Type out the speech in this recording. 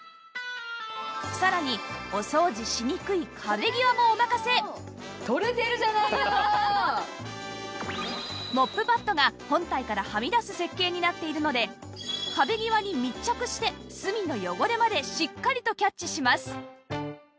さらにお掃除しにくいモップパッドが本体からはみ出す設計になっているので壁際に密着して隅の汚れまでしっかりとキャッチします